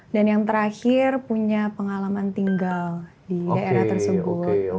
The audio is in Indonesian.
dan yang terakhir punya pengalaman tinggal di daerah tersebut